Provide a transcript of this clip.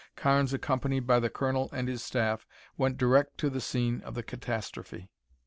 Carnes, accompanied by the colonel and his staff, went direct to the scene of the catastrophe.